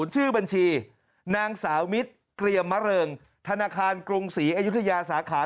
ชื่อบัญชีนางสาวมิตรเกรียมมะเริงธนาคารกรุงศรีอยุธยาสาขา